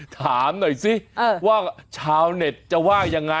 ถามหน่อยสิว่าชาวเน็ตจะว่ายังไง